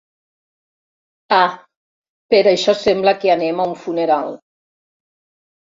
Ah, per això sembla que anem a un funeral!